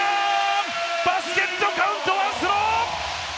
バスケットカウントワンスロー！